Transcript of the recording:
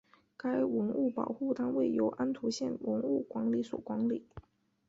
该文物保护单位由安图县文物管理所管理。